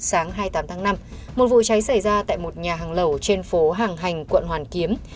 sáng hai mươi tám tháng năm một vụ cháy xảy ra tại một nhà hàng lẩu trên phố hàng hành quận hoàn kiếm